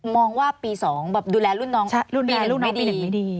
มองว่าปี๒แบบดูแลรุ่นน้องปี๑ไม่ดี